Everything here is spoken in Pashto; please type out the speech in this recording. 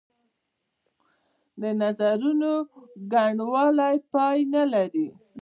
نظرونو ګڼوالی پای نه لري.